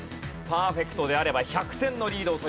パーフェクトであれば１００点のリードを取ります。